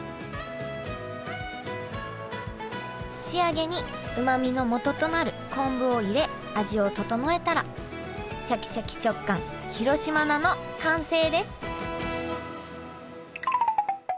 仕上げにうまみのもととなる昆布を入れ味を調えたらシャキシャキ食感広島菜の完成です